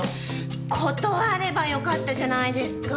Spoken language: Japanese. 断ればよかったじゃないですか。